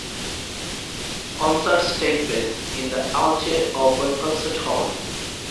Concerts take place in the Alte Oper concert hall.